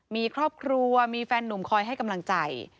มีครอบครัวมีแฟนหนุ่มคอยให้กำลังใจ